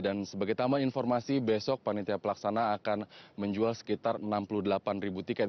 dan sebagai tambahan informasi besok panitia pelaksana akan menjual sekitar enam puluh delapan ribu tiket